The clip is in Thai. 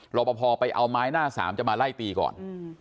รอปภไปเอาไม้หน้าสามจะมาไล่ตีก่อน